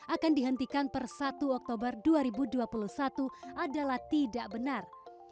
akan dihentikan per satu oktober dua ribu dua puluh satu adalah tidak benar